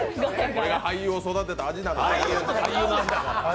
これが俳優を育てた味なんだ。